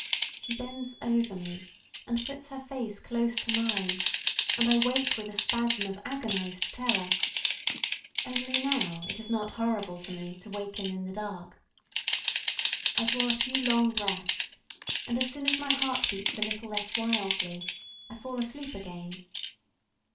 She bends over me and puts her face close to mine, and I wake with a spasm of agonised terror; only now it is not horrible to me to waken "in the dark." I draw a few long breaths and as soon as my heart beats a little less wildly I fall asleep again.